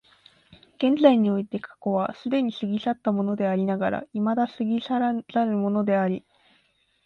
現在において過去は既に過ぎ去ったものでありながら未だ過ぎ去らざるものであり、